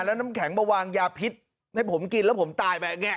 แล้วน้ำแข็งมาวางยาพิษให้ผมกินแล้วผมตายไปเนี่ย